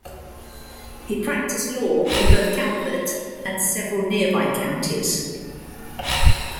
He practiced law in both Calvert and several nearby counties.